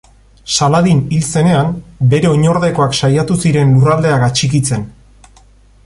Saladin hil zenean, bere oinordekoak saiatu ziren lurraldeak atxikitzen.